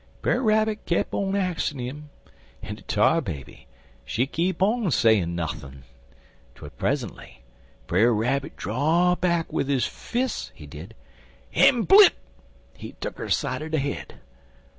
"Brer Rabbit keep on axin' 'im, en de Tar Baby, she keep on sayin' nothin', twel present'y Brer Rabbit draw back wid his fis', he did, en blip he tuck 'er side er de head.